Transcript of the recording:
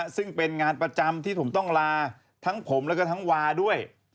ซึ่งเป็นงานประจำที่ผมต้องลาทั้งผมแล้วก็ทั้งวาด้วย